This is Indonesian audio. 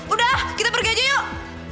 udah kita pergi aja yuk